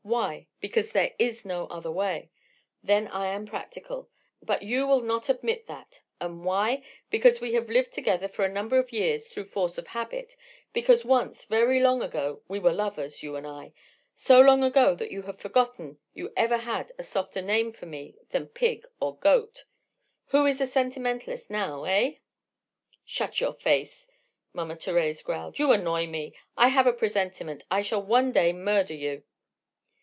Why? Because there is no other way. Then I am practical. But you will not admit that. And why? Because we have lived together for a number of years through force of habit, because once, very long ago, we were lovers, you and I—so long ago that you have forgotten you ever had a softer name for me than pig or goat. Who is the sentimentalist now—eh?" "Shut your face!" Mama Thérèse growled. "You annoy me. I have a presentiment I shall one day murder you."